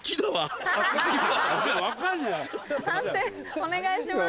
判定お願いします。